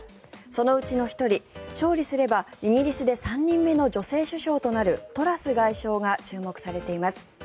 そのうちの１人勝利すればイギリスで３人目の女性首相となるトラス外相が注目されています。